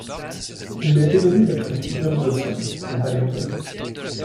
Il a été nommé d'après Peter Dodson, un paléontologue.